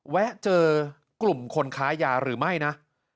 แวะเจอกลุ่มคนค้ายาหรือไม่นะ